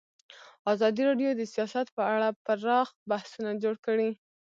ازادي راډیو د سیاست په اړه پراخ بحثونه جوړ کړي.